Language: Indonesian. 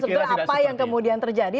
sebetulnya apa yang kemudian terjadi